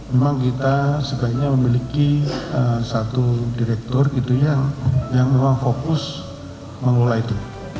memang kita sebaiknya memiliki satu direktur gitu ya yang memang fokus mengelola itu